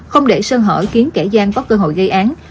không để sơn hỏi khiến kẻ gian có cơ hội gây án